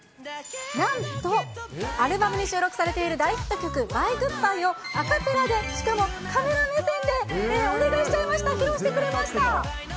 なんと、アルバムに収録されている大ヒット曲、ＢｙｅーＧｏｏｄーＢｙｅを、アカペラでしかもカメラ目線でお願いしちゃいました、披露してくれました。